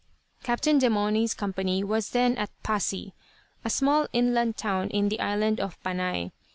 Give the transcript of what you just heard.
Captain Demauny's company was then at Pasi, a small inland town in the island of Panay.